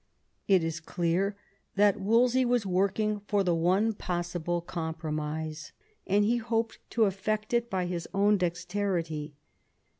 It is clear that Wolsey was working for the one possible compromise, and he hoped to effect it by his own dexterity.